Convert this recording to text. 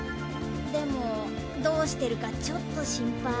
でもどうしてるかちょっとしんぱい。